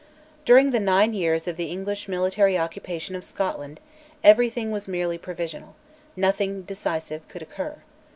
During the nine years of the English military occupation of Scotland everything was merely provisional; nothing decisive could occur.